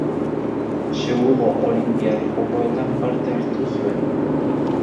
Seulgo Olinpiar Jokoetan parte hartu zuen.